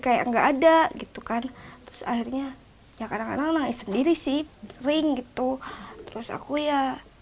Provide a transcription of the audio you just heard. kayak nggak ada gitu kan terus akhirnya ya kadang kadang nangis sendiri sih ring gitu terus aku ya